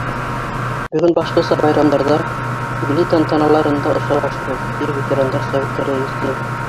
Бөгөн башлыса байрамдарҙа, юбилей танталарында осрашабыҙ, — ти ветерандар советы рәйесе.